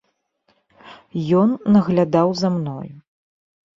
Ён наглядаў за мною.